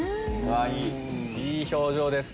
いい表情です。